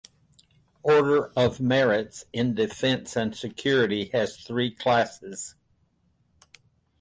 Order of Merits in Defense and Security has three classes.